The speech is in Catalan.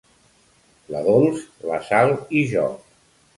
La Dols, la Sal i jo.